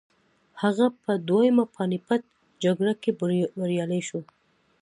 هغه په دویمه پاني پت جګړه کې بریالی شو.